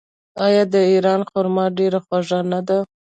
آیا د ایران خرما ډیره خوږه نه ده؟